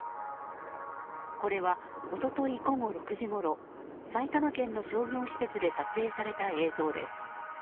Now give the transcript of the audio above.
これは一昨日午後６時ごろ埼玉県の商業施設で撮影された映像です。